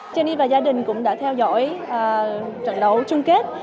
jenny và gia đình cũng đã theo dõi trận đấu chung kết